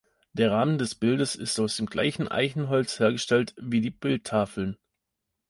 Der Rahmen des Bildes ist aus dem gleichen Eichenholz hergestellt wie die Bildtafeln.